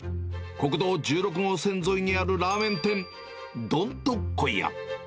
国道１６号線沿いにあるラーメン店、どんとこい家。